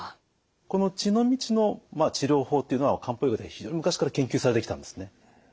この血の道の治療法っていうのは漢方医学で非常に昔から研究されてきたんですね。